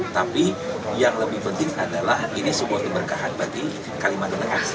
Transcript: tapi yang lebih penting adalah ini sebuah keberkahan bagi kalimantan tengah